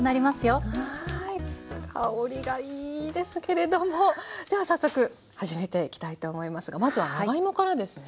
はい香りがいいですけれどもでは早速始めていきたいと思いますがまずは長芋からですね。